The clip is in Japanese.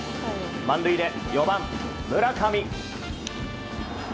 満塁で４番、村上。